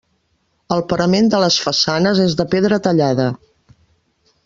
El parament de les façanes és de pedra tallada.